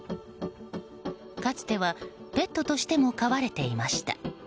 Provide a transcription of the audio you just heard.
かつてはペットとしても飼われていました。